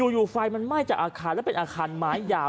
อยู่ไฟมันไหม้จากอาคารแล้วเป็นอาคารไม้ยาว